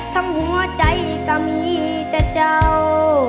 หัวใจก็มีแต่เจ้า